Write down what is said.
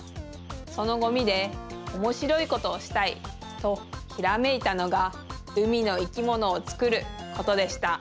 そのゴミでおもしろいことをしたいとひらめいたのがうみのいきものをつくることでした。